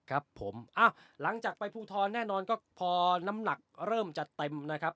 ครับผมอ้าวหลังจากไปภูทรแน่นอนก็พอน้ำหนักเริ่มจะเต็มนะครับ